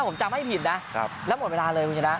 ผมจำให้ผิดนะแล้วหมดเวลาเลยคุณชนะ